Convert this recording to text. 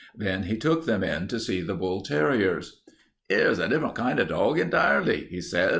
Then he took them in to see the bull terriers. "'Ere's a different kind of dog entirely," he said.